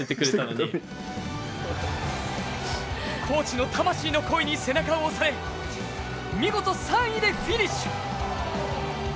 コーチの魂の声に背中を押され見事、３位でフィニッシュ！